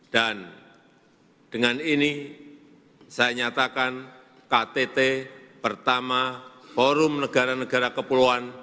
dan dengan ini saya nyatakan ktt pertama forum negara negara kepulauan